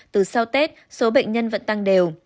từ sau tết số bệnh nhân vẫn tăng đều